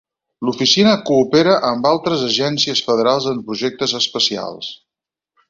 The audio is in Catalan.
L'oficina coopera amb altres agències federals en projectes especials.